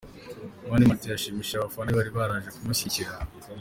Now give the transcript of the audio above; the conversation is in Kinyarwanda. Mani Martin yashimishije abafana be bari baje kumushyigikira.